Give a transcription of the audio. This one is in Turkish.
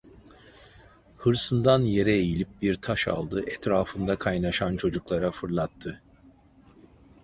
Hırsından yere eğilip bir taş aldı, etrafında kaynaşan çocuklara fırlattı: